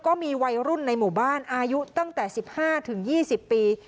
ก็มีวัยรุ่นในหมู่บ้านอายุตั้งแต่๑๕๒๐ปี